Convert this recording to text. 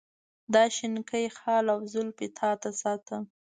دا شینکی خال او زلفې تا ته ساتم.